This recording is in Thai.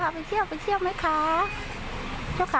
ลองไปดูบรรยากาศช่วงนั้นนะคะ